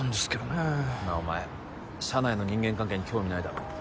なあお前社内の人間関係に興味ないだろ。